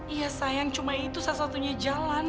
iya sayang cuma itu satu satunya jalan